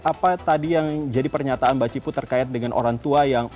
apa tadi yang jadi pernyataan mbak cipu terkait dengan orang tua yang